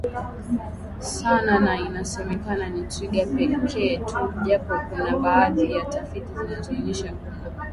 sana na inasemekana ni twiga pekee tu japo kuna baadhi ya tafiti zinaonyesha kuna